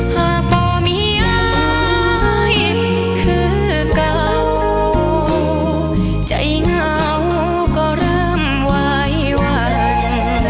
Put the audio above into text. หากต่อเมียเห็นคือเก่าใจเหงาก็เริ่มไหววัน